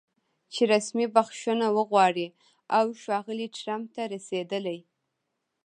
چې رسمي بښنه وغواړي او ښاغلي ټرمپ ته د رسېدلي